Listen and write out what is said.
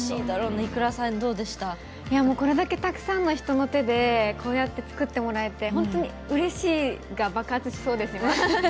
いやもうこれだけたくさんの人の手で作ってもらえて本当にうれしいが爆発しそうです今。